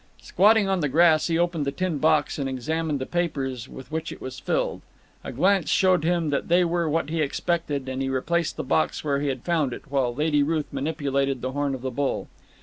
Squatting on the grass, he opened the tin box, and examined the papers with which it was filled. A glance showed him that they were what he expected, and he replaced the box where he had found it, while Lady Ruth manipulated the horn of the bull.